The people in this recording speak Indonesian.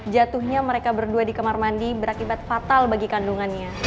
jatuhnya mereka berdua di kamar mandi berakibat fatal bagi kandungannya